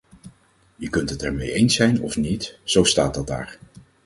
Je kunt het er mee eens zijn of niet, zo staat dat daar.